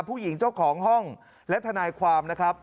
ผู้หญิงเจ้าของห้องและธนายความ